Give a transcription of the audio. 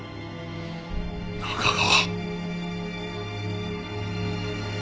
中川。